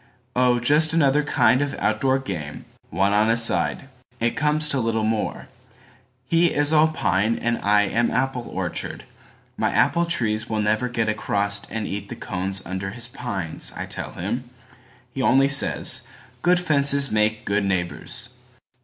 Oh, just another kind of outdoor game, One on a side. It comes to little more:He is all pine and I am apple orchard.My apple trees will never get acrossAnd eat the cones under his pines, I tell him. He only says, "Good fences make good neighbors."